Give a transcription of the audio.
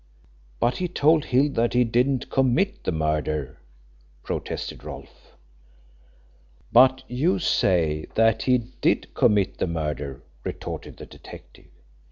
"But he told Hill that he didn't commit the murder," protested Rolfe. "But you say that he did commit the murder," retorted the detective.